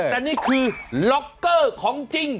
แต่นี่คือล็อกเกอร์ของจริง